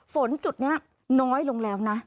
ฝนจุดนี้น้อยลงแล้วนะ